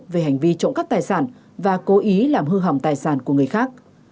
về hành vi trộm cắp tài sản và cố ý làm hư hỏng tài sản của người khác